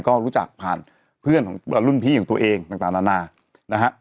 ก็รู้จักผ่านเพื่อนของรุ่นพี่ของตัวเองต่างนานานะฮะ